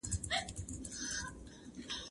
زه به سبا درسونه اورم وم؟!